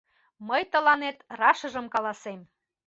Мый тыланет рашыжым каласем.